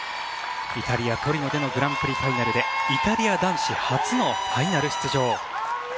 イタリア・トリノでのグランプリファイナルでイタリア男子初のファイナル出場。